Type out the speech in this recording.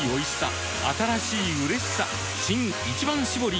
新「一番搾り」